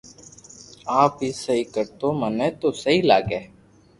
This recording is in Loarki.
آپ ھي سھي ڪر تو مني تو سھي لاگي